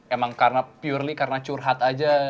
emang karena purely karena curhat aja